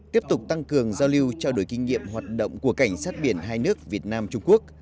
tiếp tục tăng cường giao lưu trao đổi kinh nghiệm hoạt động của cảnh sát biển hai nước việt nam trung quốc